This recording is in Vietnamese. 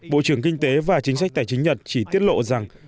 bộ trưởng kinh tế và chính sách tài chính nhật chỉ tiết lộ rằng